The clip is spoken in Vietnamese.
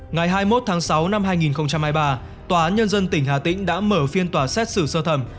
ngày hai mươi một tháng sáu năm hai nghìn hai mươi ba tòa án nhân dân tỉnh hà tĩnh đã mở phiên tòa xét xử sơ thẩm